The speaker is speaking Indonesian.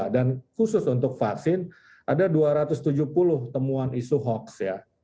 dan khusus untuk vaksin ada dua ratus tujuh puluh temuan isu hoax ya